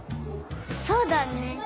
そうだね。